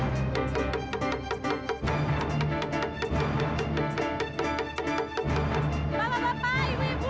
bapak bapak ibu ibu